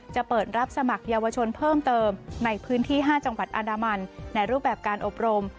จะเปิดรับสมัครเยาวชนเพิ่มเติมในพื้นที่๕จังหวัดอันดามันในรูปแบบการอบรม